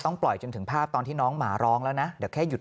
ปล่อยจนถึงภาพตอนที่น้องหมาร้องแล้วนะเดี๋ยวแค่หยุด